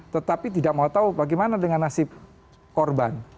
tetapi tidak mau tahu bagaimana dengan nasib korban